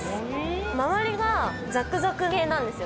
周りがザクザク系なんですよ。